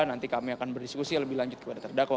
nanti kami akan berdiskusi lebih lanjut kepada terdakwa